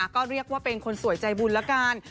ก็เรียกว่าเป็นคนสวยใจบุญแล้วกัน